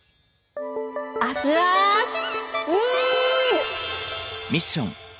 アスアースみール！